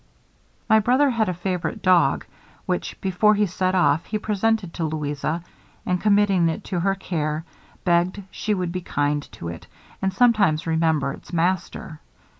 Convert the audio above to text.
'My brother had a favorite dog, which, before he set off, he presented to Louisa, and committing it to her care, begged she would be kind to it, and sometimes remember its master.